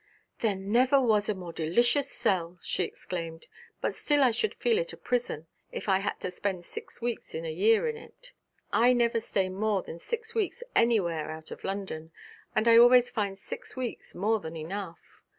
'There never was a more delicious cell!' she exclaimed, 'but still I should feel it a prison, if I had to spend six weeks in the year in it. I never stay more than six weeks anywhere out of London; and I always find six weeks more than enough.